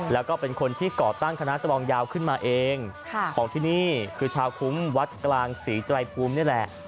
แล้วก็เป็นคนที่ก่อตั้งคณะกรองยาวขึ้นมาเองของที่นี่คือชาวคุ้มวัดกลางศรีไตรภูมินี่แหละ